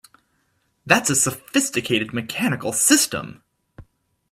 That's a sophisticated mechanical system!